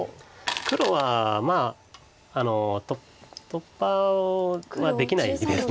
黒はまあ突破はできないです